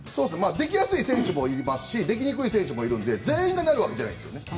できやすい選手もいますしできにくい選手もいるので全員がなるわけじゃないです。